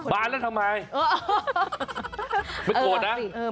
บานล่ะทำไม